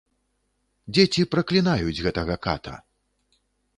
Дзеці праклінаюць гэтага ката.